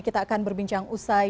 kita akan berbincang usai